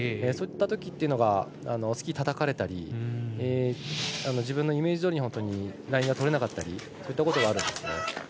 そういったときっていうのがスキー、たたかれたり自分のイメージどおりにラインがとれなかったりそういったことがあるんですね。